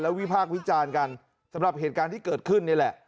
วิพากษ์วิจารณ์กันสำหรับเหตุการณ์ที่เกิดขึ้นนี่แหละ